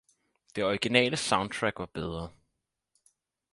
Det originale soundtrack var bedre.